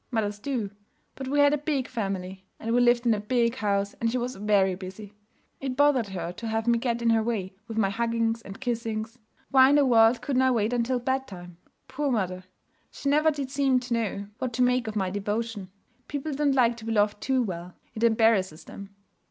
Mothers do. But we had a big family, and we lived in a big house, and she was very busy. It bothered her to have me get in her way with my huggings and kissings. Why in the world couldn't I wait until bedtime? Poor mother! She never did seem to know what to make of my devotion. People don't like to be loved too well; it embarrasses them.